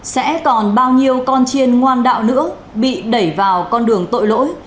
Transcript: sẽ còn bao nhiêu con chiên ngoan đạo nữa bị đẩy vào con đường tội lỗi